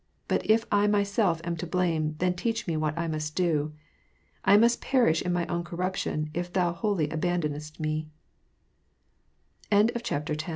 But if I myself am to blame, then teach me what I most do. I must perish in my own corruption, if Thou wholly aband